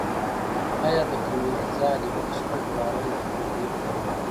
آیا د قمرۍ ځالۍ به د شپې په باران کې خوندي وي؟